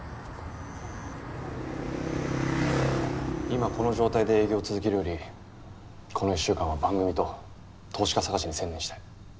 今この状態で営業を続けるよりこの１週間は番組と投資家探しに専念したい。